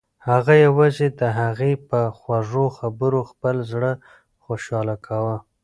هغه یوازې د هغې په خوږو خبرو خپل زړه خوشحاله کاوه.